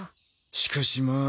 しかしまあ